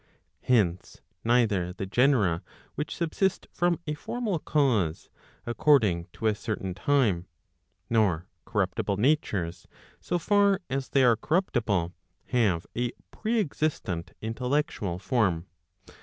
Hence, neither the genera which subsist from a formal cause, according to a certain time, nor corruptible natures so far as they are corruptible, have a pre existent intellectual form.